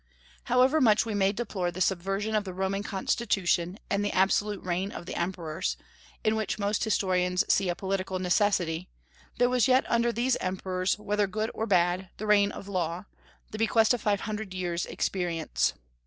However much we may deplore the subversion of the Roman constitution and the absolute reign of the emperors, in which most historians see a political necessity, there was yet under these emperors, whether good or bad, the reign of law, the bequest of five hundred years' experience.